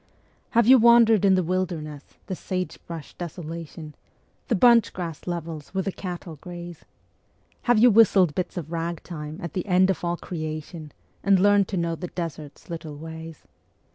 Have you wandered in the wilderness, the sagebrush desolation, The bunch grass levels where the cattle graze? Have you whistled bits of rag time at the end of all creation, And learned to know the desert's little ways?